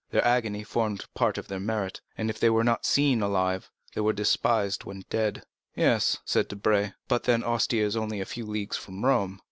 Their agony formed part of their merit—if they were not seen alive, they were despised when dead." "Yes," said Debray, "but then Ostia is only a few leagues from Rome."